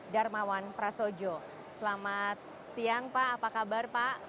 darmawan prasojo selamat siang pak apa kabar pak